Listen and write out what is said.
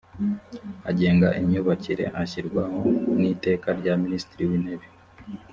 agenga imyubakire ashyirwaho n iteka rya minisitiri wintebe